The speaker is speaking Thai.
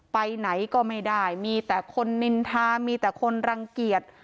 ไปไหนก็ไม่ได้มีแต่คนนินทามีแต่คนรังเกียจ